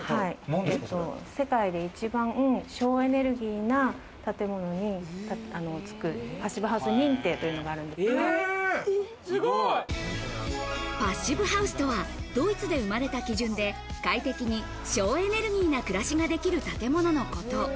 世界で一番、省エネルギーな建物につく、パッシブハウス認定といパッシブハウスとは、ドイツで生まれた基準で、快適に省エネルギーな暮らしができる建物のこと。